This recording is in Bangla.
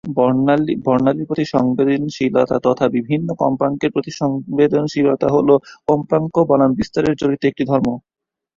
বর্ণালির প্রতি সংবেদনশীলতা তথা বিভিন্ন কম্পাঙ্কের প্রতি সংবেদনশীলতা হলো কম্পাঙ্ক বনাম বিস্তারের সাথে জড়িত একটি ধর্ম।